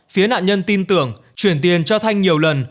phía nạn nhân tin tưởng chuyển tiền cho thanh nhiều lần